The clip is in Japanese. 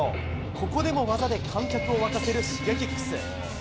ここでも技で観客を沸かせるＳｈｉｇｅｋｉｘ。